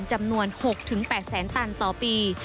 จำนวน๖๘แสนตันต่อปี